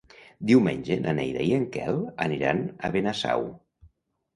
Diumenge na Neida i en Quel aniran a Benasau.